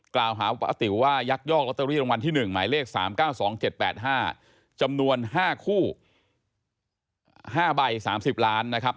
กล่าวหาว่าป้าติ๋วว่ายักยอกลอตเตอรี่รางวัลที่๑หมายเลข๓๙๒๗๘๕จำนวน๕คู่๕ใบ๓๐ล้านนะครับ